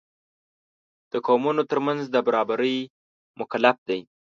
د قومونو تر منځ د برابرۍ مکلف دی.